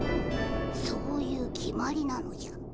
そういう決まりなのじゃ。